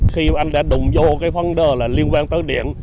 khi anh đã đụng vô cái phân đờ là liên quan tới điện